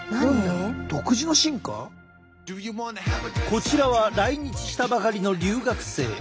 こちらは来日したばかりの留学生。